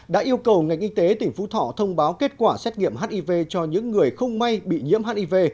đã yêu cầu ngành y tế tỉnh phú thọ thông báo kết quả xét nghiệm hiv cho những người không may bị nhiễm hiv